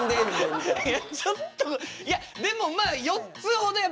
ちょっといやでもまあ４つほどね